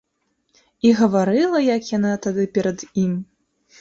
І гаварыла як яна тады перад ім!